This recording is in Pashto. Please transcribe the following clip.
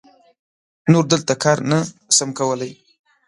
نور دلته کار نه سم کولای.